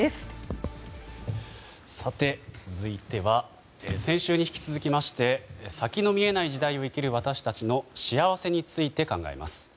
続いて、先週に引き続き先の見えない時代に生きる私たちの幸せについて考えます。